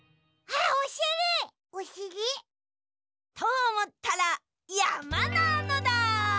おしり？とおもったらやまなのだ！